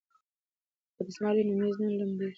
که دستمال وي نو میز نه لمدیږي.